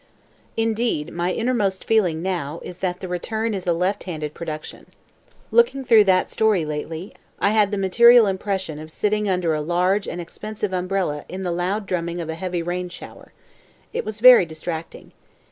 Indeed my innermost feeling, now, is that The Return is a left handed production. Looking through that story lately I had the material impression of sitting under a large and expensive umbrella in the loud drumming of a heavy rain shower. It was very distracting.